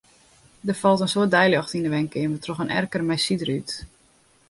Der falt in soad deiljocht yn 'e wenkeamer troch in erker mei sydrút.